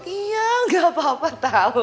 iya gak bapak tau